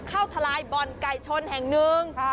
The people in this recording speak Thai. ทลายบ่อนไก่ชนแห่งหนึ่ง